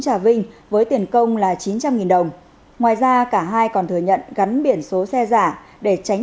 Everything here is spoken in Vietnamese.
trà vinh với tiền công là chín trăm linh đồng ngoài ra cả hai còn thừa nhận gắn biển số xe giả để tránh